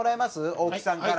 大木さんから。